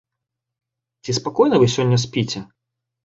Ці спакойна вы сёння спіце?